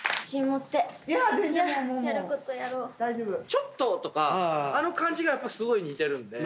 「ちょっと！」とかあの感じがすごい似てるんで。